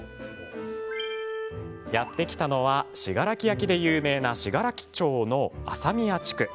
やって来たのは信楽焼で有名な信楽町の朝宮地区。